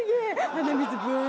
鼻水ブワ。